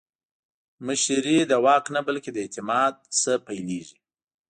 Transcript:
مشري د واک نه، بلکې د اعتماد نه پیلېږي